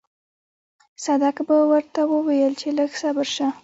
صدک به ورته ويل چې لږ صبر شه.